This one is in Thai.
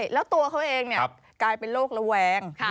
แล้วตัวเขาเองเนี่ยกลายเป็นโลกระแวง